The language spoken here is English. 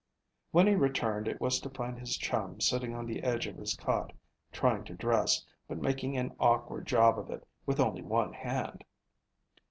When he returned it was to find his chum sitting on the edge of his cot trying to dress, but making an awkward job of it with only one hand.